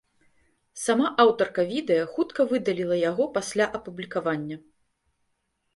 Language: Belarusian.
Сама аўтарка відэа хутка выдаліла яго пасля апублікавання.